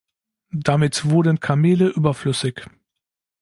Damit wurden "Kamele" überflüssig.